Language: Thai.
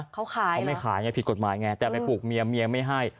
เขาขายเขาไม่ขายไงผิดกฎหมายไงแต่ไปปลูกเมียเมียไม่ให้